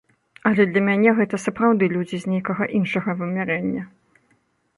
Але для мяне гэта сапраўды людзі з нейкага іншага вымярэння.